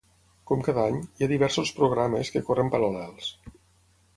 Com cada any, hi ha diversos programes que corren paral·lels.